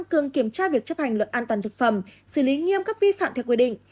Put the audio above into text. cường kiểm tra việc chấp hành luật an toàn thực phẩm xử lý nghiêm các vi phạm theo quy định